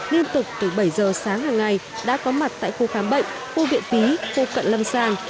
liên tục từ bảy giờ sáng hàng ngày đã có mặt tại khu khám bệnh khu viện phí khu cận lâm sàng